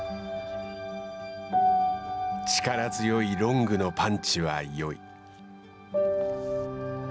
力強いロングのパンチはよい。